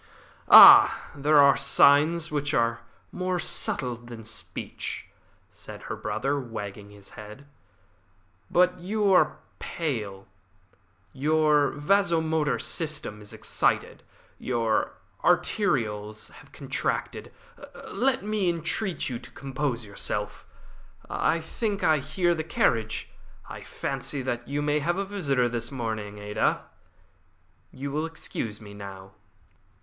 "Ah, there are signs which are more subtle than speech," said her brother, wagging his head. "But you are pale. Your vasomotor system is excited. Your arterioles have contracted. Let me entreat you to compose yourself. I think I hear the carriage. I fancy that you may have a visitor this morning, Ada. You will excuse me now."